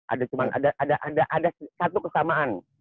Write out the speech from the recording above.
ada cuma ada satu kesamaan